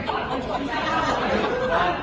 ขอบคุณภาพให้กับคุณผู้ฝ่าย